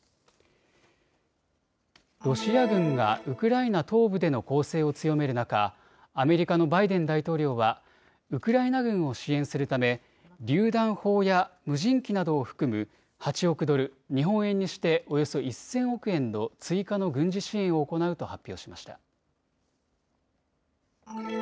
ロシア軍がウクライナ東部での攻勢を強める中アメリカのバイデン大統領はウクライナ軍を支援するためりゅう弾砲や無人機などを含む８億ドル、日本円にしておよそ１０００億円の追加の軍事支援を行うと発表しました。